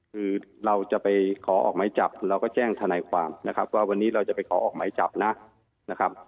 คือเราจะไปขอออกไม้จับเราก็แจ้งธนายความนะครับว่าวันนี้เราจะไปขอออกหมายจับนะครับ